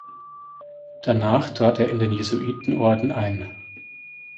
Danach trat er in den Jesuitenorden ein.